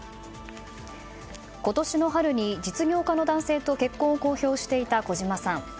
今年の春に実業家の男性と結婚を公表していた小島さん。